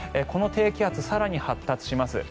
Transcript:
この低気圧、更に発達します。